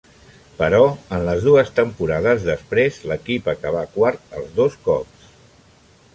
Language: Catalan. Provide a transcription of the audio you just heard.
Però, en les dues temporades després, l'equip acabà quart els dos cops.